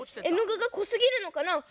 えのぐがこすぎるのかな？